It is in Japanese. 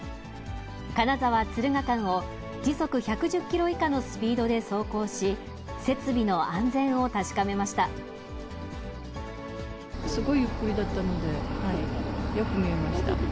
金沢・敦賀間を時速１１０キロ以下のスピードで走行し、設備の安すごいゆっくりだったので、よく見えました。